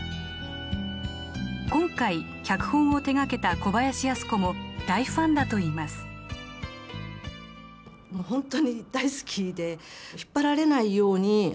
今回脚本を手がけた小林靖子も大ファンだといいますと思って。